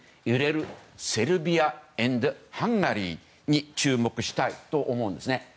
揺れるセルビア＆ハンガリーに注目したいと思うんですね。